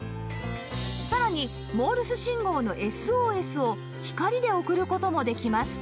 さらにモールス信号の ＳＯＳ を光で送る事もできます